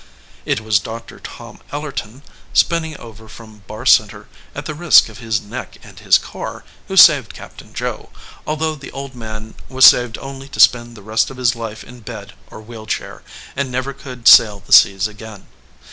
It was Dr. Tom Ellerton, spinning over from Barr Center, at the risk of his neck and his car, who saved Captain Joe, although the old man was saved only to spend the rest of his life in bed or wheel chair, and never could sail the seas again.